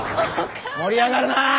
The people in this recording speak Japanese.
盛り上がるなあ！